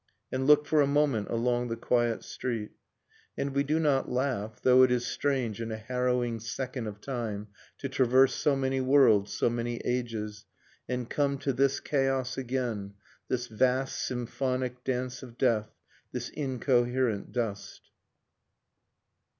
And look for a moment along the quiet street ... And we do not laugh, though it is strange In a harrowing second of time To traverse so many worlds, so many ages, And come to this chaos again, This vast symphonic dance of death, This incoherent dust.